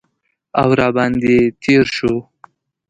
او را باندې تیر شو